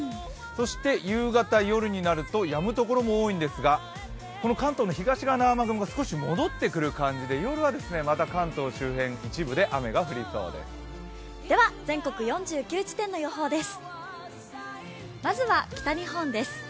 そして夕方、夜になるとやむ所も多いんですが、この関東の東側の雨雲が少し戻ってくる感じで夜はまた、関東周辺一部で雨が降りそうです。